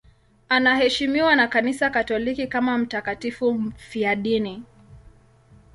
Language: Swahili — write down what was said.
Anaheshimiwa na Kanisa Katoliki kama mtakatifu mfiadini.